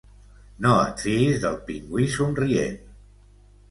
No et fiïs del pingüí somrient.